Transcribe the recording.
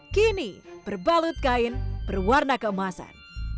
kini berbalut kain berwarna keemasan